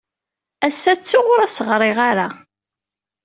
Ass-a, ttuɣ ur as-ɣriɣ ara.